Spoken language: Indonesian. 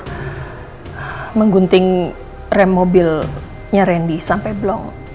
dimana sang peneror menggunting rem mobilnya randy sampai blonk